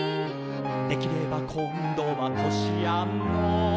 「できればこんどはこしあんの」